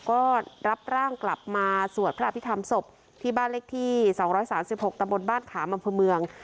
ก็รับร่างกลับมาสวดพระอภิคัมศพที่บ้านเล็กที่สองร้อยสามสิบหกตะบนบ้านขาบรรพเมือง